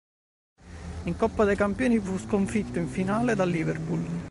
In Coppa dei Campioni fu sconfitto in finale dal Liverpool.